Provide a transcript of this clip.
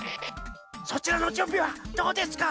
そちらのじゅんびはどうですか？